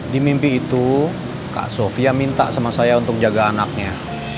di mimpi itu kak sofia minta sama saya untuk jaga anaknya